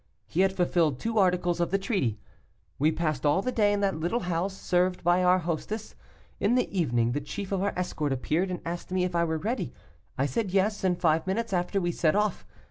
He had fulfilled two articles of the treaty. We passed all the day in that little house, served by our hostess; in the evening the chief of our escort appeared, and asked me if I were ready. I said yes, and five minutes after, we set off.